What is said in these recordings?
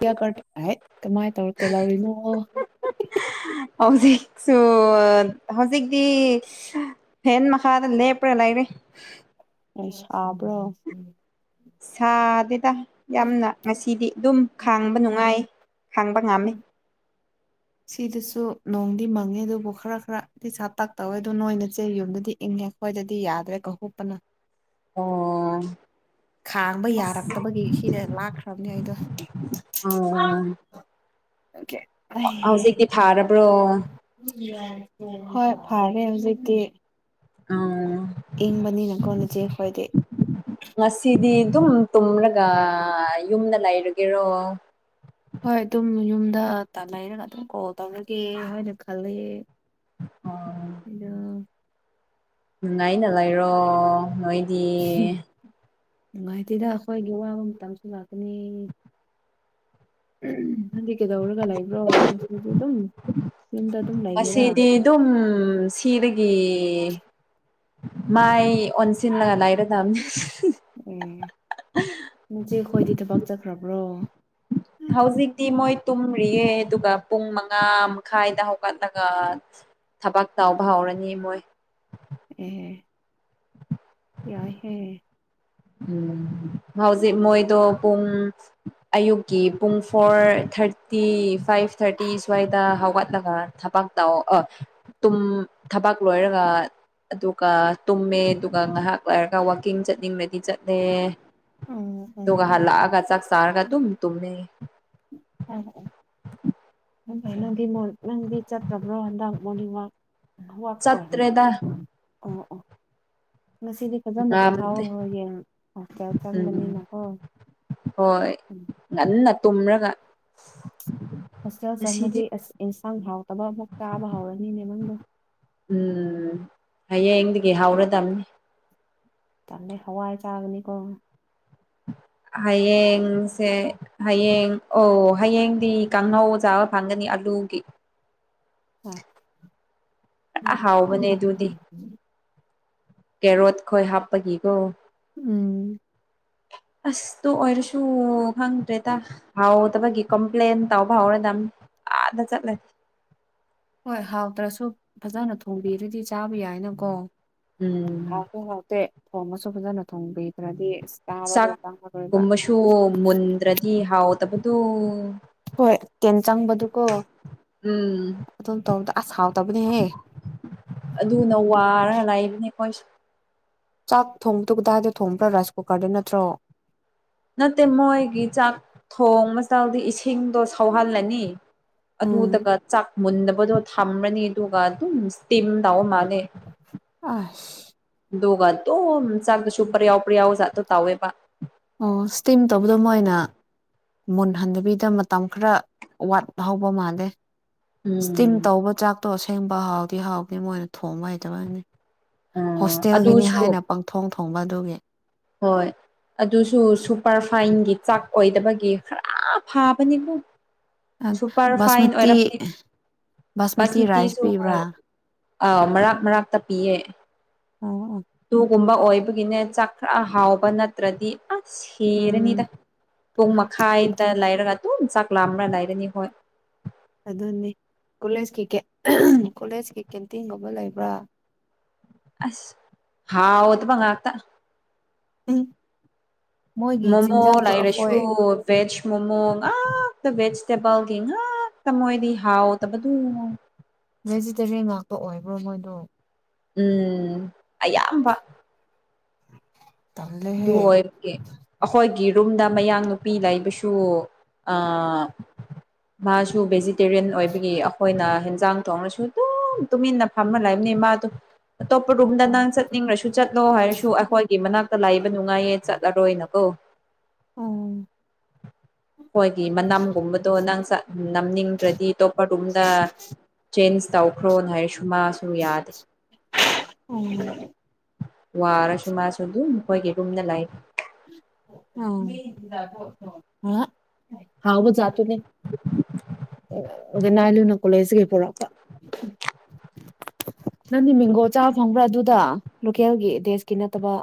[unintelligible] ꯀꯃꯥꯏ ꯇꯧꯔ ꯀꯦꯗꯧꯔꯤꯅꯣ ꯍꯧꯖꯤꯛꯁꯨ ꯍꯧꯖꯤꯛꯇꯤ ꯐꯦꯟ ꯃꯈꯥꯗ ꯂꯦꯞꯔꯒ ꯂꯩꯔꯦ ꯑꯩ ꯁꯥꯕ꯭ꯔꯣ ꯁꯥꯗꯦꯗ ꯌꯥꯝꯅ ꯉꯁꯤꯗꯤ ꯑꯗꯨꯝ ꯈꯥꯡꯕ ꯅꯨꯡꯉꯥꯏ ꯈꯥꯡꯕ ꯉꯝꯃꯤ [inaudible] ꯁꯤꯗꯁꯨ ꯅꯣꯡꯗꯤ ꯃꯪꯉꯦ ꯑꯗꯨꯕꯨ ꯈꯔ ꯈꯔꯗꯤ ꯁꯥꯥ ꯇꯛ ꯇꯧꯋꯦ ꯑꯗꯨꯕꯨ ꯅꯣꯏ ꯅꯆꯦ ꯌꯨꯝꯗꯗꯤ ꯏꯪ ꯉꯦ ꯑꯈꯣꯏꯗꯗꯤ ꯌꯥꯗ꯭ꯔꯦ ꯀꯣ ꯍꯨꯞꯄꯅ ꯑꯣ ꯈꯥꯡꯕ ꯑꯁ ꯌꯥꯔꯛꯇꯕꯒꯤ ꯁꯤꯗ ꯂꯥꯛ ꯈ꯭ꯔꯕꯅꯦ ꯑꯩꯗꯣ ꯑꯣ ꯑꯣꯀꯦ ꯍꯧꯖꯤꯛꯇꯤ ꯐꯥꯔꯕ꯭ꯔꯣ ꯍꯣꯏ ꯐꯔꯦ ꯍꯧꯖꯤꯛꯇꯤ [unintelligible] ꯏꯪꯕꯅꯤꯅ ꯀꯣ ꯅꯆꯦꯈꯣꯏꯗꯤ ꯉꯁꯤꯗꯤ ꯑꯗꯨꯝ ꯇꯨꯝꯔꯒ ꯌꯨꯝꯗ ꯂꯩꯔꯒꯦꯔꯣ ꯍꯣꯏ ꯑꯗꯨꯝ ꯌꯨꯝꯗ ꯇꯥ ꯂꯩꯔꯒ ꯑꯗꯨꯝ ꯀꯣꯜ ꯇꯧꯔꯒꯦ ꯍꯥꯏꯅ ꯈꯜꯂꯦ [unintelligible] ꯅꯨꯡꯉꯥꯏꯅ ꯂꯩꯔꯣ ꯅꯣꯏꯗꯤ ꯅꯨꯡꯉꯥꯏꯇꯦꯗ ꯑꯩꯈꯣꯏꯒꯤ ꯋꯥꯕ ꯃꯇꯝꯁꯨ ꯂꯥꯛꯀꯅꯤ ꯎꯝ ꯅꯪꯗꯤ ꯀꯩꯗꯧꯔꯒ ꯂꯩꯕ꯭ꯔꯣ ꯉꯁꯤꯗꯤ ꯑꯗꯨꯝ ꯌꯨꯝꯗ ꯑꯗꯨꯝ ꯂꯩꯒꯦꯔꯥ ꯇꯨꯝ ꯁꯤꯗꯒꯤ ꯃꯥꯏ ꯑꯣꯟꯁꯤꯟꯂꯒ ꯂꯥꯏꯔꯗꯝꯅꯤ ꯎꯝ ꯅꯆꯦ ꯈꯣꯏꯗꯤ ꯊꯕꯛ ꯆꯠꯈ꯭ꯔꯕ꯭ꯔꯣ ꯍꯧꯖꯤꯛꯇꯤ ꯃꯣꯏ ꯇꯨꯝꯔꯤꯌꯦ ꯑꯗꯨꯒ ꯄꯨꯡ ꯃꯉꯥ ꯃꯈꯥꯏꯗ ꯍꯧꯒꯠꯂꯒ ꯊꯕꯛ ꯇꯥꯎꯕ ꯍꯧꯔꯅꯤ ꯃꯣꯏ ꯑꯦ ꯌꯥꯏꯍꯦ ꯎꯝ ꯍꯧꯖꯤꯛ ꯃꯣꯏꯗꯣ ꯄꯨꯡ ꯑꯌꯨꯛꯀꯤ ꯄꯨꯡ ꯐꯣꯔ ꯊꯥꯔꯇꯤ ꯐꯥꯏꯚ ꯊꯥꯔꯇꯤ ꯁ꯭ꯋꯥꯏꯗ ꯍꯧꯒꯠꯂꯒ ꯊꯕꯛ ꯇꯥꯎ ꯑ ꯇꯨꯝ ꯊꯕꯥꯛ ꯂꯣꯏꯔꯒ ꯑꯗꯨꯒ ꯇꯨꯝꯃꯦ ꯑꯗꯨꯒ ꯉꯥꯏꯍꯥꯛ ꯂꯩꯔꯒ ꯋꯥꯛꯀꯤꯡ ꯆꯠꯅꯤꯡꯔꯦ ꯆꯠꯂꯦ ꯎꯝ ꯗꯨꯒ ꯍꯜꯂꯛ ꯑꯒ ꯆꯥꯛ ꯆꯔꯒ ꯗꯨꯝ ꯇꯨꯝꯃꯦ ꯅꯪꯗꯤ ꯅꯪꯗꯤ ꯆꯠꯇ꯭ꯔꯕ꯭ꯔꯣ ꯍꯟꯗꯛ ꯃꯣꯔꯅꯤꯡ ꯋꯥꯛ [unintelligible] ꯑꯣ ꯆꯠꯇ꯭ꯔꯦꯗ ꯑꯣ ꯉꯁꯤꯗꯤ ꯐꯖꯅ ꯄꯣꯊꯥꯎ ꯉꯝꯗꯦ ꯍꯣꯏ ꯌꯦꯡꯉꯣ ꯍꯣꯁꯇꯦꯜ ꯎꯝ ꯆꯪꯕꯅꯤꯅꯀꯣ ꯍꯣꯏ ꯎꯝ ꯉꯟꯅ ꯇꯨꯝꯔꯒ ꯍꯣꯁꯇꯦꯜ ꯉꯁꯤꯗꯤ ꯆꯪꯉꯗꯤ ꯑꯁ ꯏꯟꯁꯥꯡ ꯍꯥꯎꯇꯕ ꯑꯃꯨꯛ ꯆꯥꯕ ꯍꯧꯔꯅꯤꯅꯦ ꯅꯪꯗꯣ ꯎꯝ ꯍꯌꯦꯡꯗꯒꯤ ꯍꯧꯔꯗꯝꯕꯅꯤ ꯇꯜꯂꯦ ꯍꯋꯥꯏ ꯆꯥꯒꯅꯤꯀꯣ ꯍꯥꯥꯌꯦꯡꯁꯦ ꯍꯌꯦꯡ ꯑꯣ ꯍꯌꯦꯡꯗꯤ ꯀꯥꯡꯉꯧ ꯆꯥꯕ ꯐꯪꯒꯅꯤ ꯑꯂꯨꯒꯤ ꯍꯣꯏ ꯑꯍꯥꯎꯕꯅꯦ ꯑꯗꯨꯗꯤ [unintelligible] ꯀꯦꯔꯣꯠ ꯈꯣꯏ ꯍꯥꯞꯄꯒꯤꯒꯣ ꯎꯝ ꯑꯁꯇꯣ ꯑꯣꯏꯔꯁꯨ ꯈꯪꯗ꯭ꯔꯦꯗ ꯍꯥꯎ ꯇꯕꯒꯤ ꯀꯝꯄ꯭ꯂꯦꯟ ꯇꯥꯎꯕꯥꯎꯗꯗ ꯆꯠꯂ ꯍꯣꯏ ꯍꯥꯎꯇ꯭ꯔꯁꯨ ꯐꯖꯅ ꯊꯣꯡꯕꯤꯔꯗꯤ ꯆꯥꯕ ꯌꯥꯏꯅꯀꯣ ꯎꯝ ꯊꯣꯡꯉꯁꯨ ꯐꯖꯅ ꯊꯣꯡꯕꯤꯗ꯭ꯔꯗꯤ ꯆꯥꯕꯗꯣ ꯆꯪꯉꯔꯣꯏꯕ ꯆꯥꯛꯀꯨꯝꯕꯁꯨ ꯃꯨꯟꯗ꯭ꯔꯗꯤ ꯍꯥꯎꯗꯕꯗꯨꯣ ꯍꯣꯏ ꯇꯦꯟ ꯆꯪꯕꯗꯨꯀꯣ ꯎꯝ ꯑꯗꯨꯝ ꯇꯧꯕꯗ ꯑꯁ ꯍꯥꯎꯇꯕꯅꯦꯍꯦ ꯑꯗꯨꯅ ꯋꯥꯔꯒ ꯂꯩꯕꯅꯦ ꯑꯩꯈꯣꯏꯁꯨ ꯆꯥꯛ ꯊꯣꯡꯗꯗꯥꯏꯗꯣ ꯊꯣꯡꯕ꯭ꯔꯥ ꯔꯥꯏꯁ ꯀꯨꯀꯔꯗ ꯅꯠꯇ꯭ꯔꯣ ꯅꯠꯇꯦ ꯃꯣꯏꯒꯤ ꯆꯥꯛ ꯊꯣꯡ ꯃꯆꯥꯛꯗꯤ ꯏꯁꯤꯡꯗꯣ ꯁꯧꯍꯜꯂꯅꯤ ꯎꯝ ꯑꯗꯨꯗꯒ ꯆꯥꯛ ꯃꯨꯟꯗꯕꯗꯣ ꯊꯝꯔꯅꯤ ꯑꯗꯨꯒ ꯑꯗꯨꯝ ꯇꯇꯤꯝ ꯇꯎꯕ ꯃꯥꯜꯂꯦ ꯑ ꯗꯒ ꯑꯗꯨꯣ ꯁꯥꯥꯗ ꯁꯨꯄ꯭ꯔ ꯌꯥꯎꯕ꯭ꯔ ꯌꯥꯎ ꯁꯥꯇꯣ ꯇꯋꯦꯕ ꯑꯣ ꯁꯇꯤꯝ ꯇꯧꯕꯗꯣ ꯃꯣꯏꯅ ꯃꯨꯟ ꯍꯟꯗꯕꯤꯗ ꯃꯇꯝ ꯈꯔ ꯋꯥꯠꯄ ꯍꯧꯕ ꯃꯥꯜꯂꯦ ꯏꯁꯇꯤꯝ ꯎꯝ ꯇꯧꯕ ꯆꯥꯛꯇꯣ ꯑꯁꯦꯡꯕ ꯍꯥꯎꯗꯤ ꯍꯥꯎꯗꯤ ꯃꯣꯏꯅ ꯊꯣꯡꯕ ꯍꯩꯇꯕꯒꯤꯅꯤ ꯑꯥ ꯍꯣꯁꯇꯦꯜꯒꯤꯅꯤ ꯑꯗꯨꯁꯨ ꯍꯥꯏꯅ ꯄꯪꯊꯣꯡ ꯊꯣꯡꯕ ꯑꯗꯨꯒꯤ ꯍꯣꯏ ꯑꯗꯨꯁꯨ ꯁꯨꯄꯔ ꯐꯥꯏꯟꯒꯤ ꯆꯥꯛ ꯑꯣꯏꯗꯕꯒꯤ ꯈꯔ ꯐꯥꯕꯅꯤꯅ ꯁꯨꯄꯔ ꯐꯥꯏꯟ ꯕꯥꯁꯃꯇꯤ ꯑꯣꯏꯔꯕꯗꯤ ꯕꯥꯁꯃꯇꯤ ꯔꯥꯏꯁ ꯕꯁꯃꯤꯇꯤꯁꯨ ꯄꯤꯕ꯭ꯔꯥ ꯑꯥꯎ ꯃꯔꯥꯛ ꯃꯔꯥꯛꯛꯇ ꯄꯤꯌꯦ ꯑꯣ ꯑꯣ ꯇꯨꯒꯨꯝꯕ ꯑꯣꯏꯕꯒꯤꯅꯦ ꯆꯥꯛ ꯈꯔ ꯍꯥꯎꯕ ꯅꯠꯇ꯭ꯔꯗꯤ ꯑꯁ ꯎꯝ ꯁꯤꯔꯅꯤꯗ ꯄꯨꯡ ꯃꯈꯥꯏꯗ ꯑꯗꯨꯅꯦ ꯂꯩꯔꯒ ꯑꯗꯨꯝ ꯆꯥꯛ ꯂꯥ꯭ꯔꯥ ꯂꯩꯔꯅꯤ ꯍꯣꯏ ꯑꯗꯨꯅꯤ ꯀꯣꯂꯦꯖꯀꯤ ꯀꯣꯂꯦꯖꯀꯤ ꯀꯦꯟꯇꯤꯟꯒꯨꯝꯕ ꯂꯩꯕ꯭ꯔꯥ ꯑꯁ ꯍꯥꯎꯗ ꯃꯉ ꯑ ꯎ ꯃꯣꯃꯣ ꯂꯥꯏꯔꯦꯁꯨ ꯑꯩꯈꯣꯏ ꯦꯖ ꯃꯣꯃꯣ ꯉ ꯦꯖ ꯇꯦꯕꯜꯒꯤ ꯉ ꯣꯏꯗꯤ ꯍꯥꯥꯎꯑꯣ ꯚꯦꯖꯤꯇꯦꯔꯤꯌꯟ ꯉꯥꯛꯇ ꯑꯣꯏꯕ꯭ꯔꯣ ꯃꯣꯏꯗꯣ ꯎꯝ ꯑꯌꯥꯝꯕ ꯇꯜꯂꯦꯍꯦ ꯔ ꯀꯦ ꯑꯩꯈꯣꯏꯒꯤ ꯔꯨꯝꯗ ꯃꯌꯥꯡ ꯅꯨꯨꯄꯤ ꯂꯩꯕꯁꯨ ꯃꯥꯁꯨ ꯚꯦꯖꯤꯇꯦꯔꯤꯌꯟ ꯑꯣꯏꯕꯒꯤ ꯑꯩꯈꯣꯏꯅ ꯍꯟꯖꯥꯡ ꯊꯣꯡꯅꯁꯨ ꯑꯗꯨꯝ ꯇꯨꯃꯤꯟꯅ ꯐꯝꯅꯂꯕꯅꯤ ꯃꯥꯗ ꯑꯇꯣꯞꯄ ꯔꯨꯝꯗ ꯅꯪ ꯆꯠꯅꯤꯡꯂꯁꯨ ꯆꯠꯂꯣ ꯍꯥꯏꯔꯁꯨ ꯑꯩꯈꯣꯏꯒꯤ ꯃꯅꯥꯛꯛꯇ ꯂꯩꯕ ꯅꯨꯡꯉꯥꯏꯌꯦ ꯆꯠꯂꯔꯣꯏꯅꯀꯣ ꯍꯣꯏꯒꯤ ꯃꯅꯝꯒꯨꯝꯕꯗꯣ ꯅꯪ ꯆ ꯎ ꯅꯝꯅꯤꯡꯗ꯭ꯔꯗꯤ ꯑꯇꯣꯞꯄꯗꯣꯝꯗ ꯆꯦꯟꯖ ꯇꯧꯈ꯭ꯔꯣꯅ ꯍꯥꯏꯔꯁꯨ ꯃꯥ ꯌꯥꯗ ꯑꯔꯁꯨ ꯃꯥ ꯁꯗꯨ ꯑꯩꯈꯣꯏꯒꯤꯒꯨꯝꯅ ꯂꯥꯛꯑ ꯎ ꯑ ꯍꯥꯎ ꯃꯣꯅꯦ ꯑꯗꯨꯗ ꯅꯥꯏ ꯂꯨꯅ ꯀꯣꯂꯦꯖꯒꯤ ꯄꯨꯔꯛꯄ ꯅꯪꯗꯤ ꯃꯤꯡꯒꯣ ꯆꯥꯕ ꯐꯪꯕ꯭ꯔꯥ ꯑꯗꯨꯗ ꯂꯣꯀꯦꯜꯒꯤ ꯗꯦꯖꯀꯤ ꯅꯠꯇꯕ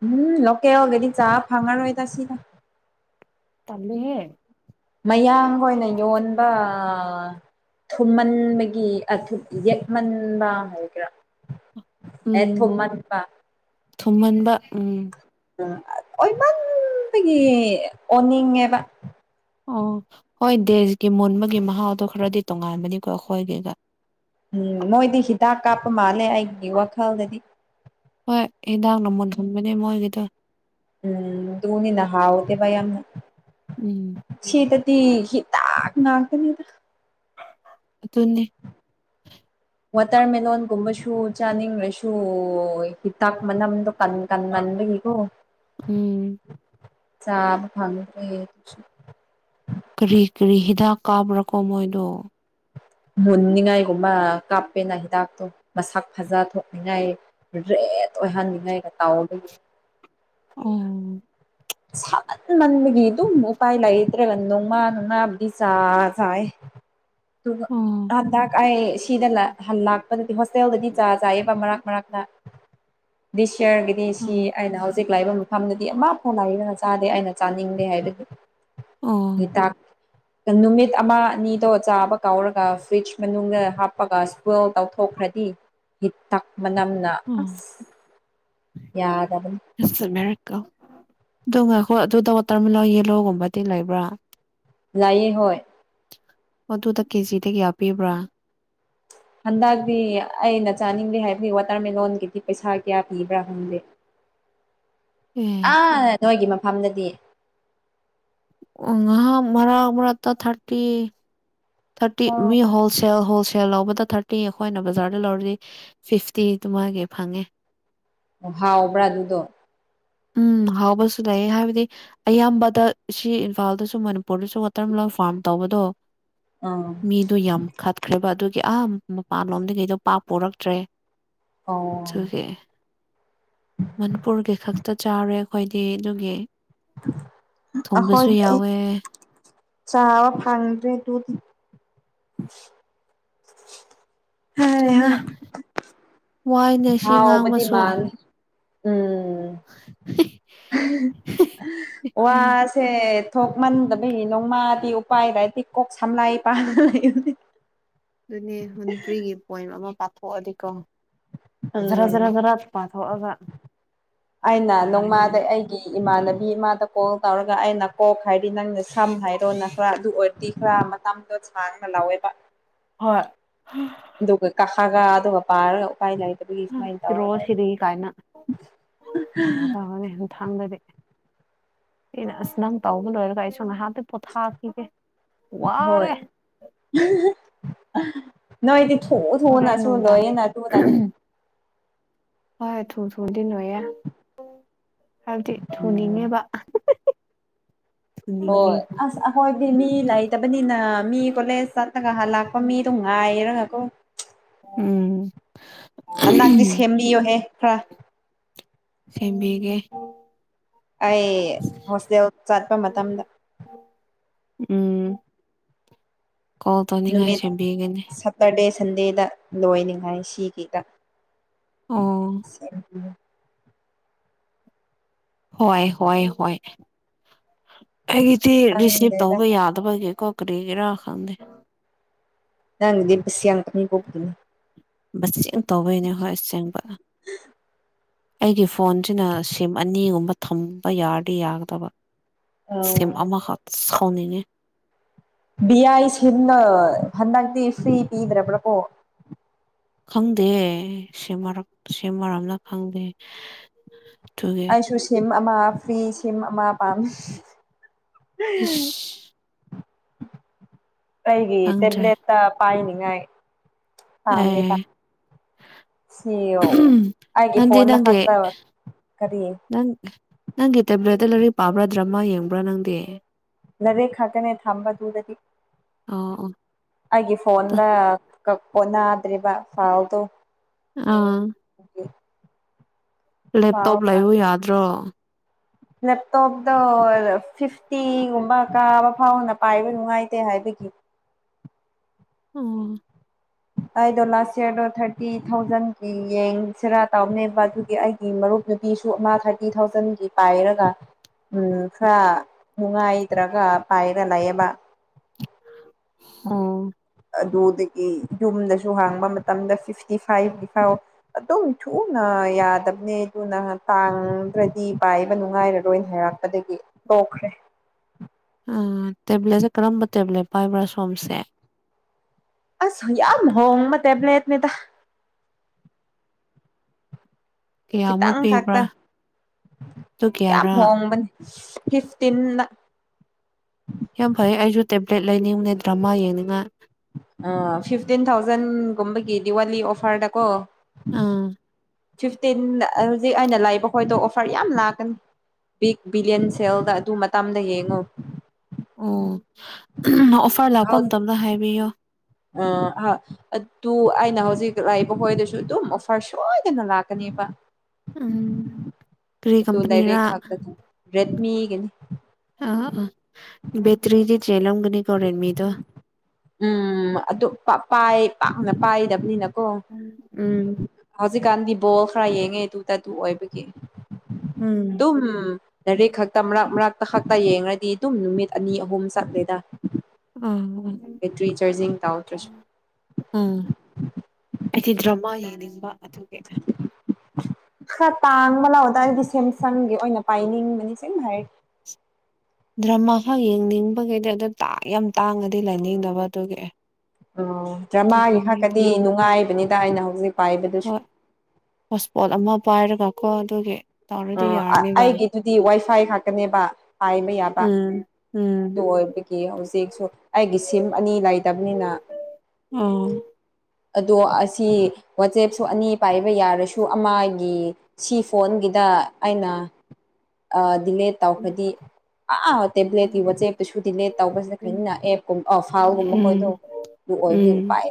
ꯎꯝ ꯂꯀꯦ ꯋꯥꯒꯦꯗꯤ ꯆꯥ ꯐꯉꯔ ꯑꯣꯏꯣꯏ ꯇ ꯁꯤꯗ ꯇꯝꯃꯤꯦ ꯃꯌꯥꯡꯒ ꯑꯣꯏꯅ ꯌꯣꯟꯕ ꯊꯨꯝꯃꯟꯕꯒꯤ ꯌꯦꯛꯃꯟꯕ ꯍꯥꯏꯒꯦꯔꯥ ꯑꯦ ꯊꯨꯃ ꯊꯄꯥ ꯊꯨꯝꯍꯟꯕ ꯎꯝ ꯎ ꯑꯣꯏꯃꯟꯗꯒꯤ ꯑꯣꯅꯤꯡꯉꯦꯕ ꯑꯣ ꯍꯣꯏ ꯗꯦꯁꯀꯤ ꯃꯨꯟꯕꯒꯤ ꯃꯍꯥꯎꯗꯣ ꯈꯔꯗꯤ ꯇꯣꯉꯥꯏꯥꯟꯕꯅꯤꯀꯣ ꯑꯩꯈꯣꯏꯒꯤꯒ ꯎꯝ ꯃꯣꯏꯗꯤ ꯍꯤꯗꯥꯛ ꯀꯥꯞꯄ ꯃꯥꯜꯂꯦ ꯑꯩꯒꯤ ꯋꯥꯈꯜꯗꯗꯤ ꯍꯣꯏ ꯍꯤꯗꯥꯛꯅ ꯃꯨꯟꯊꯟꯕꯅꯦ ꯃꯣꯏꯒꯤꯗꯣ ꯎꯝ ꯗꯨꯅꯤꯅ ꯍꯥꯎꯏꯗꯤ ꯌꯥꯝꯅ ꯎꯝ ꯁꯤꯇꯗꯤ ꯍꯤꯥꯗꯥꯛ ꯉꯥꯛꯇꯅꯤꯗ ꯑꯗꯨꯅꯤ ꯋꯥꯇꯔꯃꯦꯂꯣꯟꯒꯨꯝꯕꯁꯨ ꯆꯥꯅꯤꯡꯂꯁꯨ ꯍꯤꯇꯥꯛ ꯃꯅꯝꯗꯣ ꯇꯟ ꯇꯟ ꯃꯟꯕꯒꯤꯀꯣ ꯎꯝ ꯆꯥꯕ ꯈꯪꯑꯑꯦ ꯀꯔꯤ ꯀꯔꯤ ꯍꯤꯗꯥꯛ ꯀꯥꯞꯄ꯭ꯔꯥꯀꯣ ꯃꯣꯏꯗꯣ ꯃꯨꯟꯅꯤꯡꯉꯥꯏꯒꯨꯝꯕ ꯀꯥꯞꯄꯦꯅ ꯍꯤꯗꯥꯛꯇꯣ ꯃꯁꯛ ꯐꯖ ꯊꯣꯛꯅꯤꯡꯉꯥꯏ ꯔꯦꯠ ꯑꯣꯏꯍꯟꯅꯤꯡꯉꯩꯒ ꯇꯥꯎꯗ ꯎꯝ ꯁꯍꯟ ꯃꯟꯕꯒꯤ ꯑꯗꯨꯝ ꯎꯄꯥꯏ ꯂꯩꯇ꯭ꯔꯦꯒ ꯅꯣꯡꯃꯥ ꯅꯣꯡꯃꯥꯕꯨꯗꯤ ꯆꯥ ꯆꯥꯏ [unintelligible] ꯇ ꯑꯣ ꯑꯥꯟꯗ ꯀꯥꯏ ꯁꯤꯗ ꯂꯥꯛꯄꯗꯗꯤ ꯍꯣꯁꯇꯦꯜꯗꯗꯤ ꯆꯥ ꯆꯥꯑꯕ ꯃꯔꯛ ꯃꯔꯛꯛꯇ ꯗꯤꯁ ꯌꯔꯒꯤ ꯁꯤ ꯑꯣ ꯑꯩꯅ ꯍꯧꯖꯤꯛ ꯂꯥꯛꯏꯕ ꯃꯐꯝꯗꯗꯤ ꯑꯃ ꯐꯥꯎ ꯂꯖꯥ ꯑꯩꯅ ꯆꯥꯅꯤꯡꯗꯦ ꯍꯥꯏꯕꯒꯤ ꯑꯣ ꯍꯤꯗꯥꯛ ꯅꯨꯃꯤꯠ ꯑꯃ ꯑꯅꯤꯗꯣ ꯆꯥꯕ ꯀꯧꯔꯒ ꯐ꯭ꯔꯤꯖ ꯃꯅꯨꯡꯗ ꯍꯥꯞꯄꯒ ꯏꯁꯄꯜ ꯇꯧꯊꯣꯛꯈ꯭ꯔꯗꯤ ꯍꯤꯇꯛ ꯃꯅꯝꯅ ꯑꯣ ꯑꯁ ꯌꯥꯗꯕꯅꯤ ꯀ ꯉꯈ ꯑꯗꯨꯗ ꯋꯥꯇꯔꯃꯤꯂꯥ ꯌꯦꯜꯂꯣꯒꯨꯝꯕꯗꯤ ꯂꯩꯕ꯭ꯔꯥ ꯂꯏꯌꯦ ꯍꯣꯏ ꯑꯗꯨꯗ ꯀꯦꯖꯤꯗꯒꯤ ꯀꯌꯥ ꯄꯤꯕ꯭ꯔꯥ ꯍꯟꯗꯛꯇꯤ ꯑꯩꯅ ꯆꯥꯅꯤꯡꯗꯦ ꯍꯥꯏꯕꯗꯤ ꯋꯥꯇꯔꯃꯦꯂꯣꯟꯒꯤꯗꯤ ꯄꯩꯁꯥ ꯀꯌꯥ ꯄꯤꯕ꯭ꯔꯥ ꯈꯪꯗꯦ [inaudible] ꯑꯥ ꯅꯣꯏꯒꯤ ꯃꯐꯝꯗꯗꯤ ꯉꯍꯥ ꯃꯔꯛ ꯃꯔꯛꯇ ꯊꯥꯔꯇꯤ ꯊꯥꯔꯇꯤ ꯑꯣ ꯃꯤ ꯍꯣꯜꯁꯦꯜ ꯍꯣꯜꯁꯦꯜ ꯂꯧꯕꯗ ꯊꯥꯔꯇꯤ ꯑꯩꯈꯣꯏꯅ ꯕꯖꯥꯔꯗ ꯂꯧꯔꯁꯤ ꯐꯤꯐꯇꯤꯗꯨ ꯃꯥꯒꯤ ꯐꯪꯉꯦ ꯑꯣ ꯍꯥꯎꯕ꯭ꯔꯥ ꯑꯗꯨꯗꯣ ꯎꯝ ꯍꯥꯎꯕꯁꯁꯨꯂꯩꯌꯦ ꯍꯥꯏꯕꯗꯤ ꯑꯌꯥꯝꯕꯗ ꯁꯤ ꯏꯝꯐꯥꯜꯗꯁꯨ ꯃꯅꯤꯄꯨꯔꯗꯁꯨ ꯋꯥꯇꯔ ꯃꯂꯂꯣꯟ ꯐꯥꯔꯝ ꯇꯧꯕꯗꯣ ꯑ ꯃꯤꯗꯣ ꯌꯥꯝ ꯈꯠꯈ꯭ꯔꯦꯕ ꯑꯗꯨꯒꯤ ꯑꯍꯥ ꯃꯄꯥꯟꯂꯣꯝꯗꯤ ꯀꯩꯗꯣ ꯄꯥꯛꯄꯔꯛꯇ꯭ꯔꯦ ꯑꯣ ꯁꯒꯦ ꯃꯅꯤꯄꯨꯔꯒꯤ ꯈꯛꯇ ꯆꯥꯔꯦ ꯑꯩꯈꯣꯏꯗꯤ ꯑꯗꯨꯒꯤ ꯑꯈꯣꯏ ꯊꯣꯡꯕꯁꯨ ꯑꯩ ꯌꯥꯎꯋꯦ ꯆꯥꯕ ꯐꯥꯡꯔꯦ ꯇꯨꯗꯤ ꯑꯗꯨꯅꯤ ꯋꯥꯏꯅꯦ ꯁꯤ ꯍꯥꯎ ꯕꯗꯤ ꯉꯥꯡꯕꯁꯨ ꯃꯥꯜꯂꯦ ꯎꯝ ꯍꯤ ꯋꯥꯁ ꯁꯦ ꯊꯣꯛꯃꯟꯗꯕꯒꯤ ꯅꯣꯡꯃꯥꯗꯤ ꯎꯄꯥꯏꯗꯏꯗꯤ ꯀꯣꯛ ꯁꯝꯂꯥꯏ ꯄꯥꯗꯅ ꯂꯩ ꯑꯗꯨꯅꯦ ꯃꯅꯤꯄꯨ꯭ꯔꯤꯒꯤ ꯄꯣꯏꯝ ꯑꯃ ꯄꯥꯊꯣꯛꯑꯗꯤꯀꯣ ꯖꯔ ꯎꯝ ꯖꯔ ꯖꯔ ꯄꯥꯊꯣꯛꯑꯒ ꯅꯨꯉꯥꯏꯗꯣꯏꯅꯦ ꯒꯤ ꯏꯃꯥꯟꯅꯕꯤ ꯏꯃꯥꯗ ꯀꯣꯜ ꯇꯧꯔꯒ ꯑ ꯅꯀꯣꯛ ꯍꯥꯏꯔꯗꯤ ꯅꯪꯅ ꯁꯝ ꯍꯥꯏꯔꯣ ꯅ ꯈꯔ ꯑꯗꯨ ꯑꯣꯏꯔꯗꯤ ꯈꯔ ꯇꯣ ꯆꯥꯡꯅ ꯂꯧꯋꯦꯕ ꯍꯣꯏ ꯑꯗꯨꯒ ꯀꯀꯥꯒ ꯑꯗꯨꯒ ꯄꯥꯔꯒ ꯎ ꯀꯥꯏ ꯂꯩ ꯁꯤ ꯔꯣ ꯁꯤꯔꯤ ꯀꯥꯏꯅ ꯑꯗꯅꯦ ꯊꯥꯡꯗꯗꯤ ꯑꯩꯅ ꯑꯁ ꯅꯪ ꯇꯧꯕ ꯂꯣꯏꯔꯒ ꯑꯩ ꯁꯨꯝ ꯉꯍ ꯄꯣꯊꯥꯈꯤꯒꯦ ꯋꯥꯔꯦ ꯅ ꯏꯗꯤ ꯊ ꯊꯑꯣ ꯍꯣꯔꯦꯟ ꯅꯨꯡꯗꯥꯡ ꯅꯁꯨꯗꯌꯦꯅꯥ ꯇꯨ ꯅꯅꯤ ꯍꯣꯏ ꯍꯣꯏ ꯊꯨ ꯊꯨꯟꯗꯤ ꯂꯣꯏꯌꯦ ꯍꯥꯏꯕꯗꯤ ꯊꯨꯅꯤꯡꯉꯦꯕ ꯊꯨꯅꯤꯡꯉꯤ ꯍꯣꯏ ꯑꯁ ꯑꯩꯈꯣꯏꯗꯤ ꯃꯤ ꯂꯩꯇꯕꯅꯤꯅ ꯃꯤ ꯀꯣꯂꯦꯖ ꯆꯠꯂꯒ ꯂꯥꯛꯄ ꯃꯤꯗ ꯉꯥꯏꯔꯒꯀꯣ ꯎꯝ ꯍꯟꯅꯛꯗꯤ ꯁꯦꯝꯕꯤꯌꯣꯍꯦ ꯈꯔ ꯁꯦꯝꯕꯤꯒꯦ ꯑꯩ ꯍꯣꯁꯇꯦꯜ ꯆꯠꯄ ꯃꯇꯝꯗ ꯎꯝ ꯀꯣꯜ ꯇꯧꯅꯤꯡꯉꯥꯏ ꯁꯦꯝꯕꯤꯒꯅꯤ ꯕꯔꯗꯦ ꯁꯟꯗꯦꯗ ꯂꯣꯏꯅꯤꯡꯉꯥꯏ ꯁꯤꯒꯤꯗ ꯑꯣ ꯍꯣꯏ ꯍꯣꯏ ꯍꯣꯏ ꯑꯩꯒꯤꯗꯤ ꯔꯤꯁꯤꯞ ꯈꯪꯗꯦꯗ ꯇꯧꯕ ꯌꯥꯒ ꯕꯒꯤ ꯀꯣꯀꯔꯤꯒꯤꯔꯥ ꯈꯥꯟꯦ ꯑꯟꯏꯟꯇꯦꯜꯂꯤꯖꯦꯕꯜ ꯦꯡ ꯇꯧꯕꯩꯅꯦ ꯍꯣꯏ ꯑꯁꯦꯡꯕ ꯑꯩꯒꯤ ꯐꯣꯟꯁꯤꯅ ꯁꯤꯝ ꯑꯅꯤꯒꯨꯝꯕ ꯊꯝꯕ ꯌꯥꯔꯗꯤ ꯌꯥꯒꯗꯕ ꯑꯧ ꯁꯤꯝ ꯑꯃ ꯍꯥ ꯁꯥꯎꯅꯤꯡꯉꯦ ꯕꯤꯌꯥꯏ ꯁꯤꯅ ꯍꯟꯗꯤ ꯐꯔꯤ ꯄꯤꯗ꯭ꯔꯦ ꯄꯨꯂꯄꯣ ꯈꯪꯗꯤꯌꯦ ꯁꯤꯃꯔ ꯁꯤ ꯃꯔꯝꯅ ꯈꯪꯗꯦ ꯑꯗꯨꯒꯤ ꯑꯩꯁꯨ ꯁꯤꯝ ꯑꯃ ꯐ꯭ꯔꯤ ꯁꯤꯝ ꯑꯃ ꯄꯥꯝꯃꯤ ꯍꯤꯁ ꯑꯩꯒꯤ ꯈꯪꯗ꯭ꯔꯦ ꯇꯦꯕ꯭ꯂꯦꯠꯇ ꯄꯥꯏꯅꯤꯉꯥꯏ ꯄꯥꯝꯃꯦꯕ ꯑꯩ ꯁꯤꯌꯣ ꯑꯩꯒꯤ ꯅꯪꯗꯤ ꯐꯣꯟꯅ ꯅꯪꯒꯤ ꯐꯠꯇꯔꯣ ꯀꯔꯤ ꯅꯪ ꯅꯪꯒꯤ ꯇꯦꯕ꯭ꯂꯦꯠꯇ ꯂꯥꯏꯔꯤꯛ ꯄꯥꯕ꯭ꯔꯥ ꯗ꯭ꯔꯃꯥ ꯌꯦꯡꯕ꯭ꯔꯥ ꯅꯪꯗꯤ ꯅꯔꯦ ꯈꯒꯅꯦ ꯊꯝꯕꯗꯨꯗꯗꯤ ꯑꯣ ꯑꯣ ꯑꯩꯒꯤ ꯐꯣꯟꯗ ꯀꯛꯄ ꯅꯥꯗ꯭ꯔꯤꯕ ꯐꯥꯎꯗꯣ ꯑꯥ ꯑꯣꯀꯦ ꯍꯥꯎ ꯂꯦꯞꯇꯣꯞ ꯂꯩꯌꯨ ꯌꯥꯗ꯭ꯔꯣ [inaudible] ꯂꯦꯞꯇꯣꯞꯇꯣ ꯐꯤꯐꯇꯤꯒꯨꯝꯕ ꯀꯥꯕ ꯐꯥꯎꯅ ꯄꯥꯏꯕ ꯅꯨꯡꯉꯥꯏꯇꯦ ꯍꯥꯏꯕꯒꯤ ꯎꯝ ꯑꯩꯗꯣ ꯂꯥꯁ ꯏꯌꯥꯔꯗꯣ ꯊꯥꯔꯇꯤ ꯊꯥꯎꯖꯟꯒꯤ ꯌꯦꯡꯁꯤꯔꯥ ꯇꯧꯅꯦꯕ ꯑꯗꯨꯒꯤ ꯑꯩ ꯃꯔꯨꯞ ꯅꯨꯄꯤꯁꯨ ꯑꯃ ꯊꯥꯔꯇꯤ ꯊꯥꯎꯖꯟꯒꯤ ꯄꯥꯏꯔꯒ ꯎꯝ ꯈꯔ ꯅꯨꯡꯉꯥꯏꯇ꯭ꯔꯒ ꯄꯥꯏꯔ ꯂꯩꯌꯦꯕ ꯑꯣ ꯑꯗꯨꯗꯒꯤ ꯌꯨꯝꯗꯁꯨ ꯍꯥꯡꯕ ꯃꯇꯝꯗ ꯐꯤꯐꯇꯤ ꯐꯥꯏꯚꯀꯤ ꯐꯥꯎ ꯑꯗꯨꯝ ꯊꯨꯅ ꯌꯥꯗꯕꯅꯦ ꯑꯗꯨꯅ ꯇꯥꯡꯗ꯭ꯔꯗꯤ ꯄꯥꯏꯕ ꯅꯨꯡꯉꯥꯏꯔꯔꯣꯏꯅ ꯍꯥꯏꯔꯛ ꯑꯗꯒꯤ ꯇꯣꯛꯈ꯭ꯔꯦ ꯑ ꯇꯦꯕ꯭ꯂꯦꯠꯁꯦ ꯀꯔꯝꯕ ꯇꯦꯕ꯭ꯂꯦꯠ ꯄꯥꯏꯕ꯭ꯔꯥ ꯁꯣꯝꯁꯦ ꯑꯁ ꯌꯥꯝꯝ ꯍꯣꯡꯕ ꯇꯦꯕ꯭ꯂꯠꯅꯤꯗ ꯀꯌꯥꯃꯨꯛ ꯈꯤꯇꯪ ꯄꯤꯕ꯭ꯔꯥ ꯈꯥꯛꯛꯇ ꯑꯗꯨ ꯌꯥꯝ ꯀꯌꯥꯔꯥ ꯍꯣꯡꯕꯅꯤ ꯐꯤꯐꯇꯤꯟꯗ ꯌꯥꯝ ꯐꯩ ꯑꯩꯁꯨ ꯇꯦꯕ꯭ꯂꯦꯠ ꯂꯩꯅꯤꯡꯉꯅꯦ ꯗ꯭ꯔꯃꯥ ꯌꯦꯡꯅꯤꯡꯉ ꯐꯤꯐꯇꯤꯟ ꯊꯥꯎꯖꯟꯒꯨꯝꯕꯒꯤ ꯗꯤꯋꯥꯂꯤ ꯑꯣꯐꯔꯗꯀꯣ ꯑꯥ ꯐꯤꯐꯇꯤꯟꯗ ꯍꯧꯖꯤꯛ ꯑꯩꯅ ꯂꯥꯛꯏꯕ ꯈꯣꯗꯣ ꯑꯣꯐꯔ ꯌꯥꯝ ꯂꯥꯛꯀꯅꯤ ꯕꯤꯛ ꯕꯤꯂꯤꯌꯟ ꯁꯦꯜꯗ ꯑꯗꯨ ꯃꯇꯝꯗ ꯌꯦꯡꯉꯨ ꯑꯣ ꯑꯣꯐꯔ ꯂꯥꯛꯄ ꯃꯇꯝꯗ ꯍꯥꯏꯕꯤꯌꯣ ꯑ [unintelligible] ꯑꯗꯨ ꯑꯩꯅ ꯍꯧꯖꯤꯛ ꯂꯩꯏꯕ ꯍꯣꯏꯗꯁꯨ ꯑꯗꯨꯝ ꯑꯣꯐꯔ ꯁꯣꯏꯗꯅ ꯂꯥꯛꯀꯅꯦꯕ ꯎꯝ ꯀꯔꯤ ꯑꯗꯨ ꯀꯝꯄꯅꯤꯔꯥ ꯗꯥꯔꯦꯛ ꯈꯥꯛꯇ ꯔꯦꯗꯃꯤꯒꯅꯤ ꯑꯥ ꯑ ꯕꯦꯇ꯭ꯔꯤꯗꯤ ꯆꯂꯂꯝꯒꯅꯤ ꯔ‌ꯦꯠꯃꯤꯗꯣ ꯎꯝ ꯑꯗꯨ ꯄꯥꯏ ꯄꯥꯛꯅ ꯄꯥꯏꯗꯕꯅꯤꯅꯀꯣ ꯎꯝ ꯍꯧꯖꯤꯛꯀꯥꯟꯗꯤ ꯕꯣꯜ ꯈꯔ ꯌꯦꯡꯉꯦ ꯑꯗꯨꯗ ꯑꯗꯨ ꯑꯣꯏꯕꯒꯤ ꯎꯝ ꯑꯗꯨꯝ ꯂꯥꯏꯔꯤꯛ ꯈꯛꯇ ꯃꯔꯛ ꯃꯔꯛꯇ ꯈꯛꯇ ꯌꯦꯡꯉꯗꯤ ꯑꯗꯨꯝ ꯅꯨꯃꯤꯠ ꯑꯅꯤ ꯑꯍꯨꯝ ꯆꯠꯂ‌ꯦꯗ ꯎꯝ ꯎꯝ ꯕꯦꯇ꯭ꯔꯤ ꯆꯥꯔꯖꯤꯡ ꯇꯥꯎꯗ꯭ꯔꯁꯨ ꯎꯝ ꯑꯩꯗꯤ ꯗ꯭ꯔꯃꯥ ꯌꯦꯡꯅꯤꯡꯕ ꯑꯗꯨꯒꯤ ꯈꯔ ꯇꯥꯡꯕ ꯂꯥꯎꯗ ꯑꯩꯗꯤ ꯁꯦꯝꯁꯪꯒꯤ ꯑꯣꯏꯅ ꯄꯥꯏꯅꯤꯡꯕꯅꯤ ꯁ‌ꯦꯡꯅ ꯍꯥꯏꯔ ꯗ꯭ꯔꯃꯥ ꯈꯛ ꯌꯦꯡꯅꯤꯡꯕꯒꯤꯗꯤ ꯑꯗꯨ ꯌꯥꯝ ꯇꯥꯡꯉꯗꯤ ꯂꯩꯅꯤꯡꯗꯕ ꯑꯗꯨꯒꯤ ꯑꯦ ꯑꯣ ꯗ꯭ꯔꯃꯥꯒꯤ ꯈꯥꯛꯀꯗꯤ ꯅꯨꯡꯉꯥꯏꯕꯅꯤꯗ ꯑꯩꯅ ꯍꯧꯖꯤꯛ ꯄꯥꯏꯕꯗꯨꯁꯨ ꯍꯣꯏ ꯍꯣꯁꯄꯣꯠ ꯑꯃ ꯄꯥꯏꯔꯒ ꯀꯣ ꯑꯗꯨꯒꯤ ꯇꯧꯔꯗꯤ ꯎꯝ ꯌꯥꯔꯅꯤꯕ ꯑꯩꯒꯤꯗꯨꯗꯤ ꯋꯥꯏ ꯐꯥꯏ ꯈꯥꯛꯀꯅꯦꯕ ꯍꯥꯏꯕ ꯌꯥꯕ ꯎꯝ ꯎꯝ ꯑꯗꯨ ꯑꯣꯏꯕꯒꯤ ꯍꯧꯖꯤꯛꯁꯨ ꯑꯩꯒꯤ ꯁꯤꯝ ꯑꯅꯤ ꯂꯩꯇꯕꯅꯤꯅ ꯎꯝ ꯑꯗꯣ ꯑꯁꯤ ꯋꯥꯆꯦꯞꯁꯨ ꯑꯅꯤ ꯄꯥꯏꯕ ꯌꯥꯔꯁꯨ ꯑꯃꯒꯤ ꯁꯤ ꯐꯣꯟꯒꯤꯗ ꯑꯩꯅ ꯑꯥ‌ ꯗꯤꯂꯦꯠ ꯇꯧꯈꯗꯤ ꯑꯥꯥ ꯇꯦꯕ꯭ꯂꯦꯠ ꯋꯥꯆꯦꯞꯇꯨꯁꯨ ꯗꯤꯂꯦꯠ ꯇꯧꯕꯁꯤꯗ ꯎꯝ ꯈꯔꯅ ꯑꯦꯞꯀꯨꯝꯕ ꯐꯥꯏꯜꯒꯨꯝꯕ [unintelligible] ꯈꯈꯣꯏꯗꯣ ꯑꯗꯨ ꯑꯣꯏꯕꯤꯌ ꯎꯝ ꯎꯄꯥꯏ